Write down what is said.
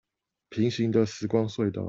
平行的時光隧道